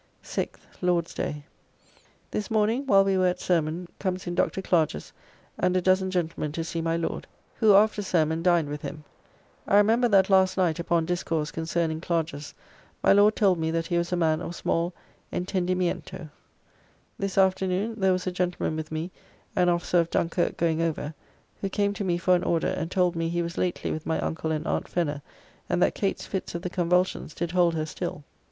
6th (Lord's day). This morning while we were at sermon comes in Dr. Clarges and a dozen gentlemen to see my Lord, who, after sermon, dined with him; I remember that last night upon discourse concerning Clarges my Lord told me that he was a man of small entendimiento. [Entendimiento, Spanish: the understanding.] This afternoon there was a gentleman with me, an officer of Dunkirk going over, who came to me for an order and told me he was lately with my uncle and Aunt Fenner and that Kate's fits of the convulsions did hold her still.